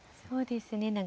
そうですね。